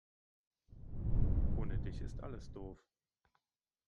Ohne dich ist alles doof.